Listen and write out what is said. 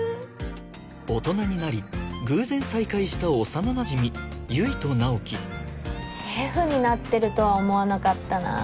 大人になり偶然再会した幼なじみ悠依と直木シェフになってるとは思わなかったなあ